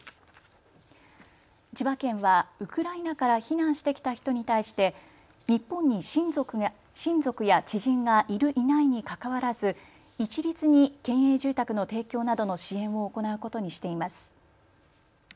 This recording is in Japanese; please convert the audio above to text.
千葉県はウクライナから避難してきた人に対して日本に親族や知人がいるいないにかかわらず一律に県営住宅の提供などの支援を行うことにしています。